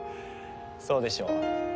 そうでしょ？